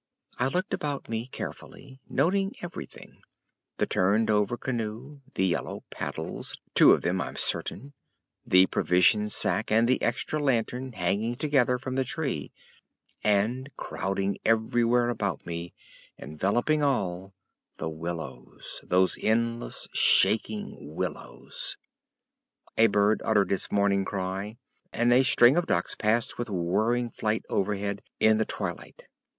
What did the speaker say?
I looked about me carefully, noting everything; the turned over canoe; the yellow paddles—two of them, I'm certain; the provision sack and the extra lantern hanging together from the tree; and, crowding everywhere about me, enveloping all, the willows, those endless, shaking willows. A bird uttered its morning cry, and a string of duck passed with whirring flight overhead in the twilight.